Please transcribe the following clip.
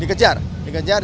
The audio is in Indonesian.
di kejar di kejar